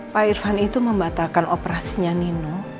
pak irfan itu membatalkan operasinya nino